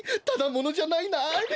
ただものじゃないなあ。